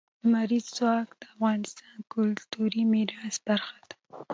لمریز ځواک د افغانستان د کلتوري میراث برخه ده.